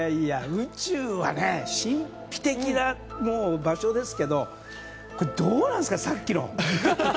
宇宙は神秘的な場所ですけどどうなんですか、さっきの。